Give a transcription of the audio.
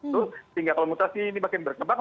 sehingga kalau mutasi ini makin berkembang